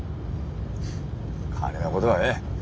金のことはええ。